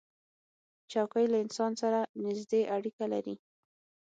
چوکۍ له انسان سره نزدې اړیکه لري.